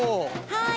はい。